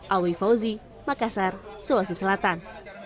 awi fauzi makassar sulawesi selatan